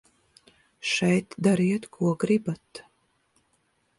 Šeit dariet, ko gribat.